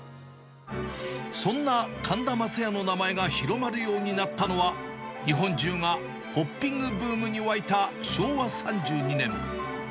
そんな神田まつやの名前が広まるようになったのは、日本中がホッピングブームに沸いた昭和３２年。